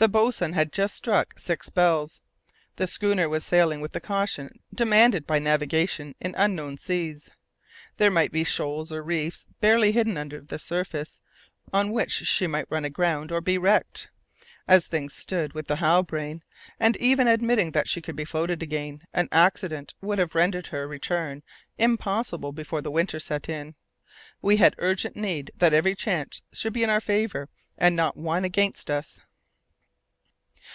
The boatswain had just struck six bells. The schooner was sailing with the caution demanded by navigation in unknown seas. There might be shoals or reefs barely hidden under the surface on which she might run aground or be wrecked. As things stood with the Halbrane, and even admitting that she could be floated again, an accident would have rendered her return impossible before the winter set in. We had urgent need that every chance should be in our favour and not one against us.